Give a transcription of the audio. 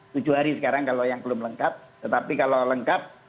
tujuh hari sekarang kalau yang belum lengkap tetapi kalau yang belum lengkap ya itu sudah berhasil